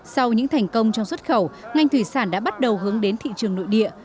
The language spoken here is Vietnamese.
sau những thành công trong xuất khẩu ngành thủy sản đã bắt đầu hướng đến thị trường nội địa